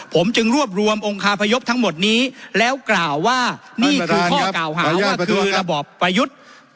ผมจึงรวบรวมองคาพยพทั้งหมดนี้แล้วกล่าวว่านี่คือข้อกล่าวหาว่าคือระบอบประยุทธ์